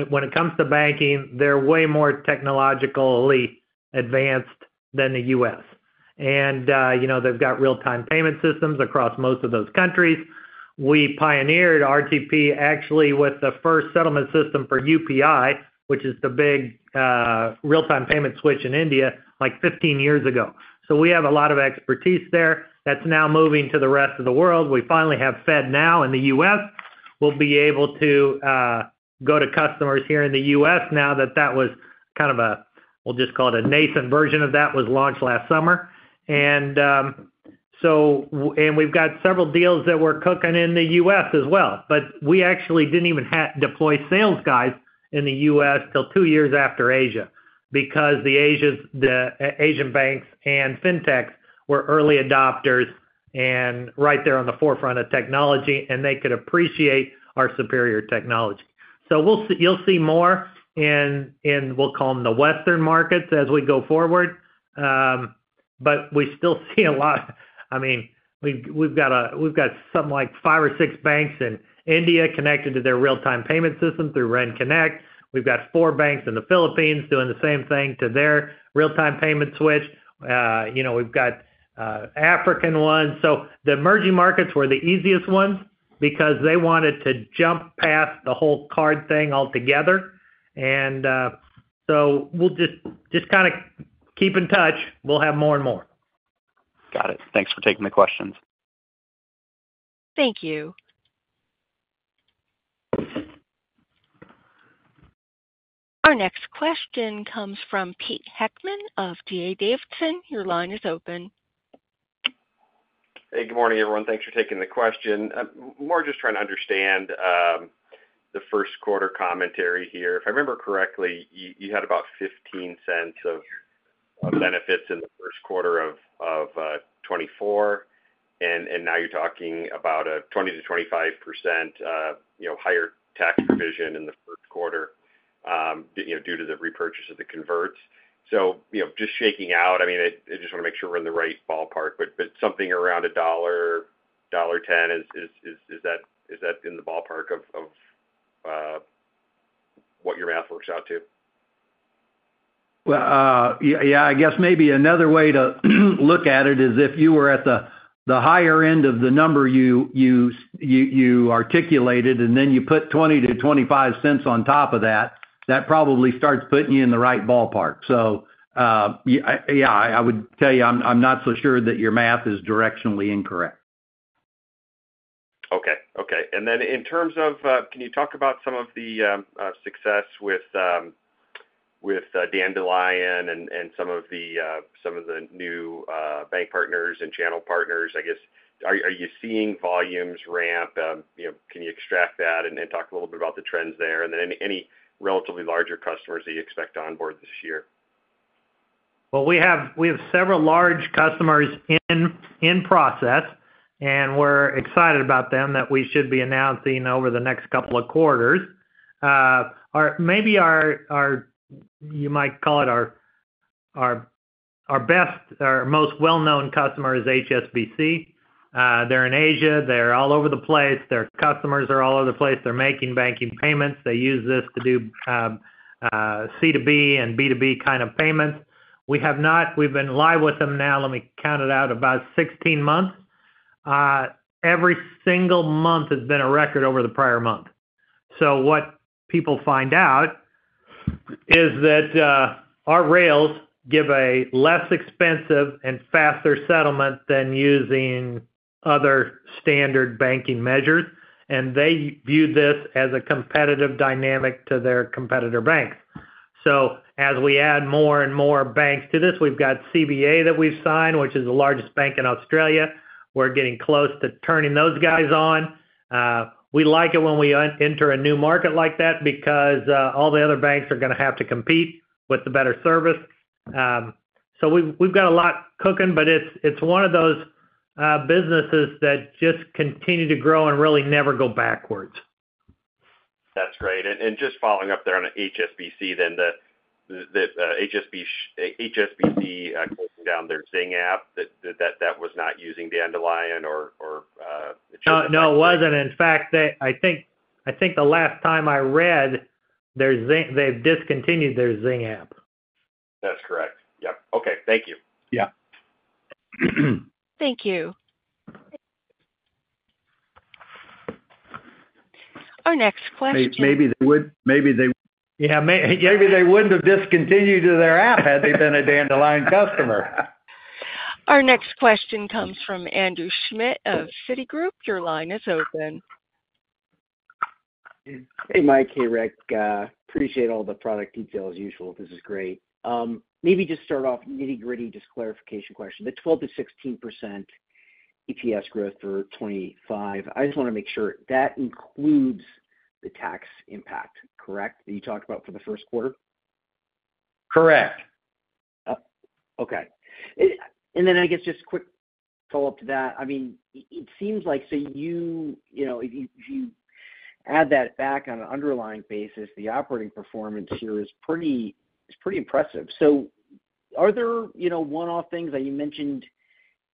when it comes to banking, they're way more technologically advanced than the U.S. And they've got real-time payment systems across most of those countries. We pioneered RTP actually with the first settlement system for UPI, which is the big real-time payment switch in India, like 15 years ago. So we have a lot of expertise there that's now moving to the rest of the world. We finally have FedNow in the U.S. We'll be able to go to customers here in the U.S. now that that was kind of a, we'll just call it a nascent version of that was launched last summer. And we've got several deals that we're cooking in the U.S. as well. But we actually didn't even deploy sales guys in the U.S. until two years after Asia because the Asian banks and fintechs were early adopters and right there on the forefront of technology, and they could appreciate our superior technology. So you'll see more in, we'll call them the Western markets as we go forward. But we still see a lot. I mean, we've got something like five or six banks in India connected to their real-time payment system through Ren Connect. We've got four banks in the Philippines doing the same thing to their real-time payment switch. We've got African ones. So the emerging markets were the easiest ones because they wanted to jump past the whole card thing altogether. And so we'll just kind of keep in touch. We'll have more and more. Got it. Thanks for taking the questions. Thank you. Our next question comes from Pete Heckmann of D.A. Davidson. Your line is open. Hey, good morning, everyone. Thanks for taking the question. More just trying to understand the first quarter commentary here. If I remember correctly, you had about $0.15 of benefits in the first quarter of 2024. And now you're talking about a 20%-25% higher tax provision in the first quarter due to the repurchase of the converts. So just shaking out, I mean, I just want to make sure we're in the right ballpark, but something around $1, $1.10, is that in the ballpark of what your math works out to? Well, yeah, I guess maybe another way to look at it is if you were at the higher end of the number you articulated, and then you put $0.20-$0.25 on top of that, that probably starts putting you in the right ballpark. So yeah, I would tell you I'm not so sure that your math is directionally incorrect. Okay. Okay. And then in terms of, can you talk about some of the success with Dandelion and some of the new bank partners and channel partners? I guess, are you seeing volumes ramp? Can you extract that and talk a little bit about the trends there? Any relatively larger customers that you expect onboard this year? We have several large customers in process, and we're excited about them that we should be announcing over the next couple of quarters. Maybe you might call it our best or most well-known customer is HSBC. They're in Asia. They're all over the place. Their customers are all over the place. They're making banking payments. They use this to do C2B and B2B kind of payments. We've been live with them now. Let me count it out: about 16 months. Every single month has been a record over the prior month. What people find out is that our rails give a less expensive and faster settlement than using other standard banking measures. They view this as a competitive dynamic to their competitor banks. So as we add more and more banks to this, we've got CBA that we've signed, which is the largest bank in Australia. We're getting close to turning those guys on. We like it when we enter a new market like that because all the other banks are going to have to compete with the better service. So we've got a lot cooking, but it's one of those businesses that just continue to grow and really never go backwards. That's great. And just following up there on HSBC, then the HSBC closing down their Zing app, that was not using Dandelion or? No, it wasn't. In fact, I think the last time I read, they've discontinued their Zing app. That's correct. Yep. Okay. Thank you. Yeah. Thank you. Our next question. Maybe they wouldn't. Yeah. Maybe they wouldn't have discontinued their app had they been a Dandelion customer. Our next question comes from Andrew Schmidt of Citigroup. Your line is open. Hey, Mike and Rick. Appreciate all the product details as usual. This is great. Maybe just start off with the nitty-gritty, just a clarification question. The 12%-16% EPS growth for 2025, I just want to make sure that includes the tax impact, correct, that you talked about for the first quarter? Correct. Okay. And then I guess just a quick follow-up to that. I mean, it seems like, so if you add that back on an underlying basis, the operating performance here is pretty impressive. So are there one-off things? You mentioned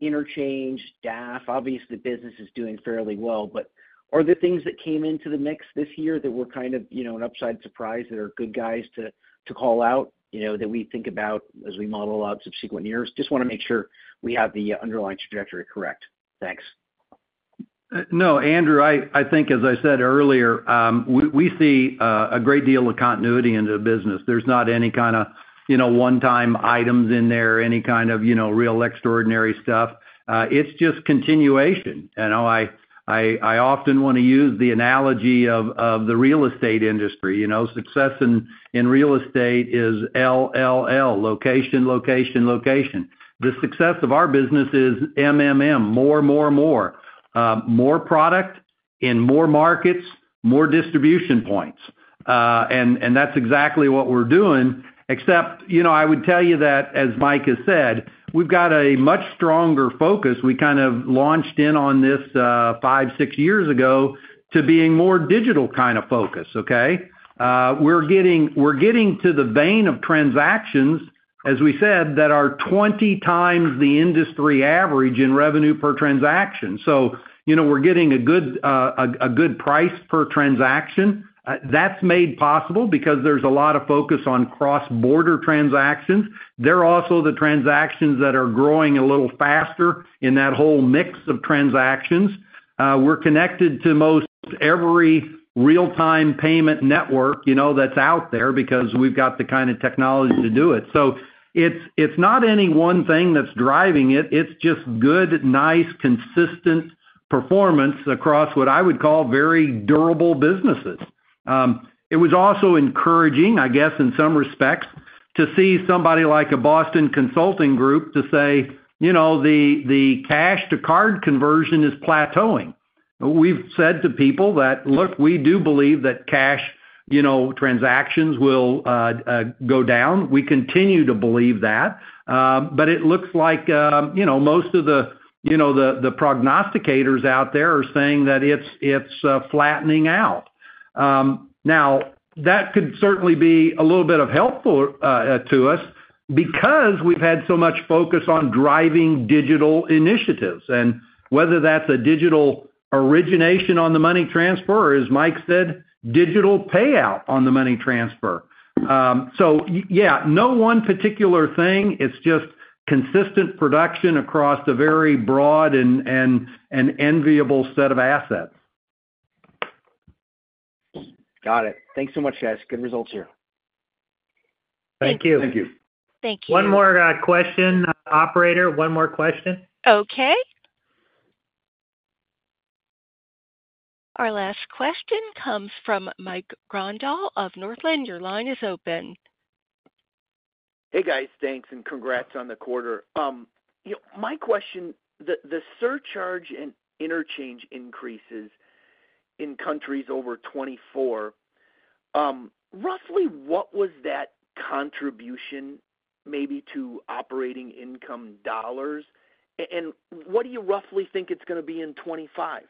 interchange, DAF. Obviously, the business is doing fairly well. But are there things that came into the mix this year that were kind of an upside surprise that are good things to call out that we think about as we model out subsequent years? Just want to make sure we have the underlying trajectory correct. Thanks. No, Andrew, I think, as I said earlier, we see a great deal of continuity into the business. There's not any kind of one-time items in there, any kind of real extraordinary stuff. It's just continuation. I often want to use the analogy of the real estate industry. Success in real estate is L, L, L, location, location, location. The success of our business is M, M, M, more, more, more. More product in more markets, more distribution points. And that's exactly what we're doing. Except I would tell you that, as Mike has said, we've got a much stronger focus. We kind of launched in on this five, six years ago to being more digital kind of focus, okay? We're getting to the vein of transactions, as we said, that are 20x the industry average in revenue per transaction. So we're getting a good price per transaction. That's made possible because there's a lot of focus on cross-border transactions. They're also the transactions that are growing a little faster in that whole mix of transactions. We're connected to most every real-time payment network that's out there because we've got the kind of technology to do it. So it's not any one thing that's driving it. It's just good, nice, consistent performance across what I would call very durable businesses. It was also encouraging, I guess, in some respects, to see somebody like a Boston Consulting Group to say, "The cash-to-card conversion is plateauing." We've said to people that, "Look, we do believe that cash transactions will go down." We continue to believe that. But it looks like most of the prognosticators out there are saying that it's flattening out. Now, that could certainly be a little bit helpful to us because we've had so much focus on driving digital initiatives. And whether that's a digital origination on the money transfer, or as Mike said, digital payout on the money transfer. So yeah, no one particular thing. It's just consistent production across the very broad and enviable set of assets. Got it. Thanks so much, guys. Good results here. Thank you. Thank you. Thank you. One more question, operator. One more question. Okay. Our last question comes from Mike Grondahl of Northland. Your line is open. Hey, guys. Thanks. And congrats on the quarter. My question, the surcharge and interchange increases in countries over 2024, roughly what was that contribution maybe to operating income dollars? And what do you roughly think it's going to be in 2025?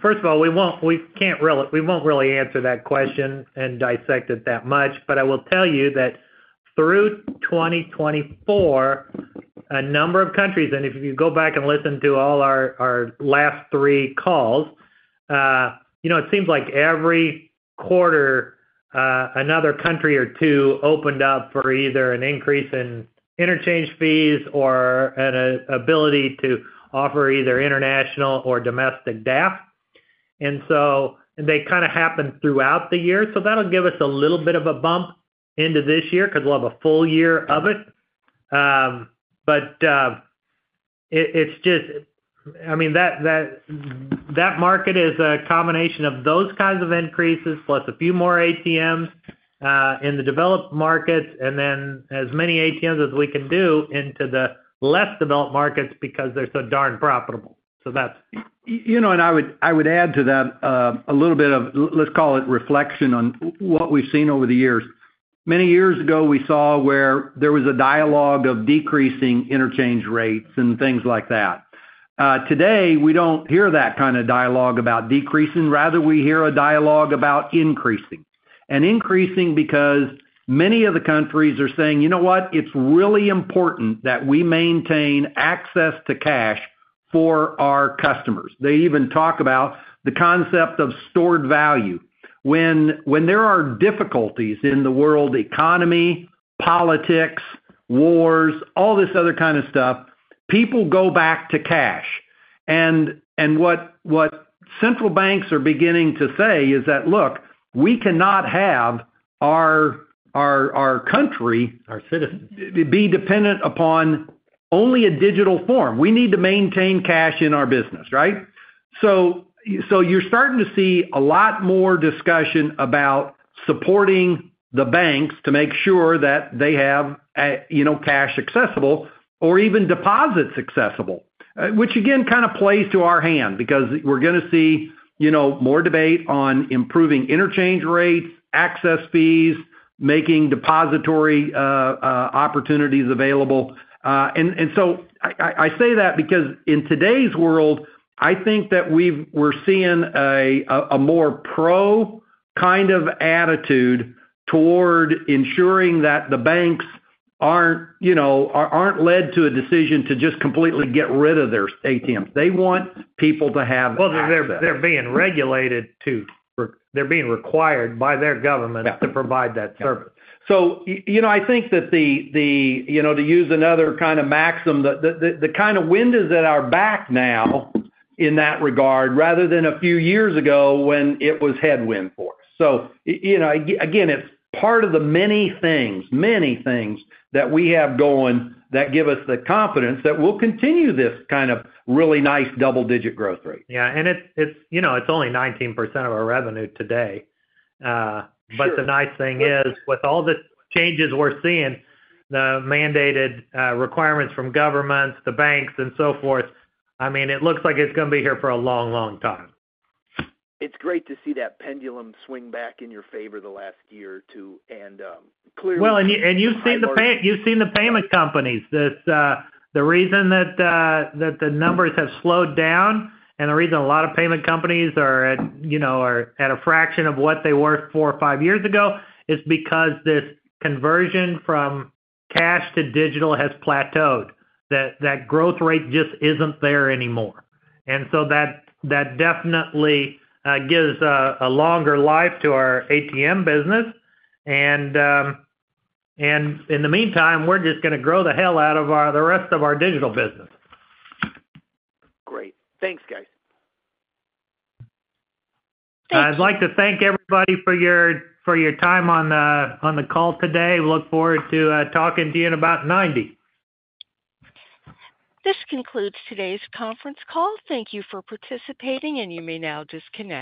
First of all, we can't really. We won't really answer that question and dissect it that much. But I will tell you that through 2024, a number of countries, and if you go back and listen to all our last three calls, it seems like every quarter, another country or two opened up for either an increase in interchange fees or an ability to offer either international or domestic DAF. And they kind of happen throughout the year. So that'll give us a little bit of a bump into this year because we'll have a full year of it. But it's just, I mean, that market is a combination of those kinds of increases plus a few more ATMs in the developed markets, and then as many ATMs as we can do into the less developed markets because they're so darn profitable. So that's. And I would add to that a little bit of, let's call it reflection on what we've seen over the years. Many years ago, we saw where there was a dialogue of decreasing interchange rates and things like that. Today, we don't hear that kind of dialogue about decreasing. Rather, we hear a dialogue about increasing. And increasing because many of the countries are saying, "You know what? It's really important that we maintain access to cash for our customers." They even talk about the concept of stored value. When there are difficulties in the world economy, politics, wars, all this other kind of stuff, people go back to cash. And what central banks are beginning to say is that, "Look, we cannot have our country, our citizens be dependent upon only a digital form. We need to maintain cash in our business, right?" So you're starting to see a lot more discussion about supporting the banks to make sure that they have cash accessible or even deposits accessible, which again kind of plays to our hand because we're going to see more debate on improving interchange rates, access fees, making depository opportunities available. And so I say that because in today's world, I think that we're seeing a more pro kind of attitude toward ensuring that the banks aren't led to a decision to just completely get rid of their ATMs. They want people to have access. Well, they're being regulated too. They're being required by their government to provide that service. So I think that the, to use another kind of maxim, the kind of wind is at our back now in that regard rather than a few years ago when it was headwind for us. So again, it's part of the many things, many things that we have going that give us the confidence that we'll continue this kind of really nice double-digit growth rate. Yeah. And it's only 19% of our revenue today. But the nice thing is, with all the changes we're seeing, the mandated requirements from governments, the banks, and so forth, I mean, it looks like it's going to be here for a long, long time. It's great to see that pendulum swing back in your favor the last year or two. And clearly. Well, and you've seen the payment companies. The reason that the numbers have slowed down and the reason a lot of payment companies are at a fraction of what they were four or five years ago is because this conversion from cash to digital has plateaued. That growth rate just isn't there anymore, and so that definitely gives a longer life to our ATM business, and in the meantime, we're just going to grow the hell out of the rest of our digital business. Great. Thanks, guys. Thank you. I'd like to thank everybody for your time on the call today. We look forward to talking to you in about 90. This concludes today's conference call. Thank you for participating, and you may now disconnect.